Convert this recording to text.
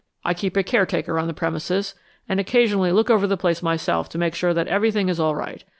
"I keep a caretaker on the premises, and occasionally look over the place myself to make sure that everything is all right.